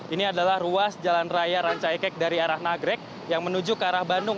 ini adalah ruas jalan raya rancaikek dari arah nagrek yang menuju ke arah bandung